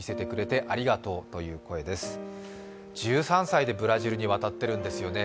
１３歳でブラジルに渡ってるんですよね。